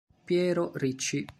Piero Ricci